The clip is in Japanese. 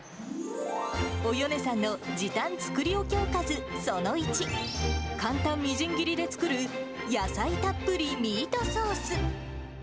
およねさんの時短作り置きおかずその１、簡単みじん切りで作る、野菜たっぷりミートソース。